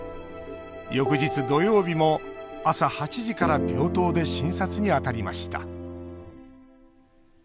翌日、土曜日も朝８時から病棟で診察に当たりました